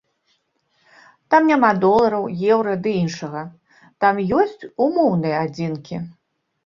Там няма долараў, еўра ды іншага, там ёсць умоўныя адзінкі.